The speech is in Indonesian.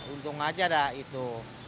untung aja dah itu